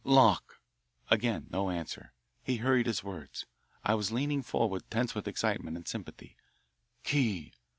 "Lock." Again no answer. He hurried his words. I was leaning forward, tense with excitement and sympathy. "Key."